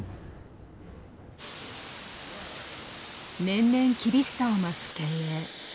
年々厳しさを増す経営。